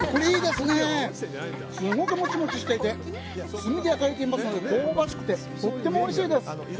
すごくモチモチしていて炭で焼かれていますので香ばしくて、とてもおいしいです。